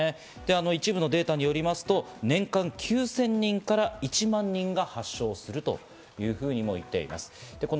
一部のデータによりますと、年間９０００人から１万人が発症する、そういうふうにも言っています。